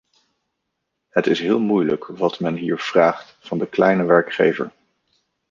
Het is heel moeilijk wat men hier vraagt van de kleine werkgever.